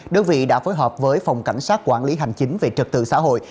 đơn vị đã phối hợp với phòng cảnh sát quản lý hành chính về trật tự xã hội